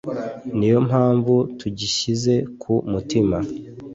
niyo mpamvu tugishyize ku mutima